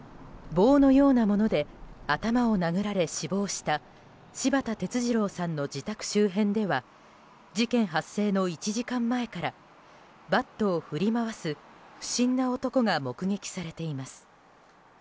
棒のようなもので頭を殴られ死亡した柴田哲二郎さんの自宅周辺では事件発生の１時間前からバットを振り回す不審な男が目撃されています。